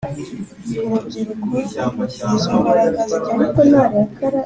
Urubyiruko nizo mbaraga z’Igihugu